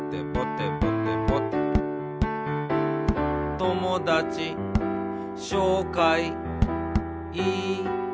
「ともだちしょうかいいたします」